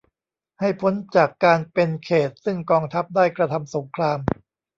ให้พ้นจากการเป็นเขตต์ซึ่งกองทัพได้กระทำสงคราม